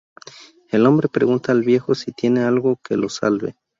El hombre pregunta al viejo si tiene algo que lo salve...